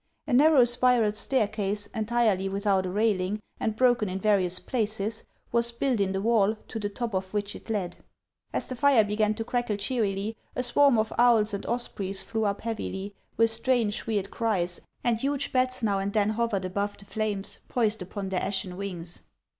A narrow spiral staircase, entirely without a railing, and broken in various places, was built in the wall, to the top of which it led. As the fire began to crackle cheerily, a swarm of owls and ospreys flew up heavily, with strange, weird cries, and huge bats now and then hovered above the flames, poised upon their ashen wings.